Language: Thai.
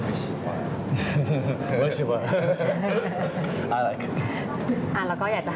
มีความสงสัยมีความสงสัย